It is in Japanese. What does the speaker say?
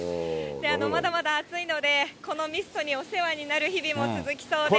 まだまだ暑いので、このミストにお世話になる日々も続きそうです。